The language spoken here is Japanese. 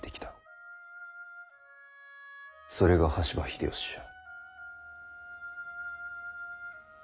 それが羽柴秀吉じゃ。